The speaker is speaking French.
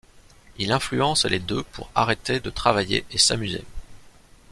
Il influence les deux pour arrêter de travailler et s'amuser.